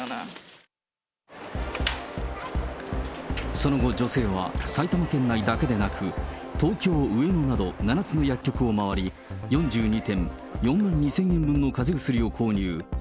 その後、女性は埼玉県内だけでなく、東京・上野など７つの薬局を回り、４２点４万２０００円分のかぜ薬を購入。